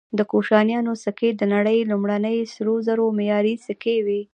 د کوشانیانو سکې د نړۍ لومړني سرو زرو معیاري سکې وې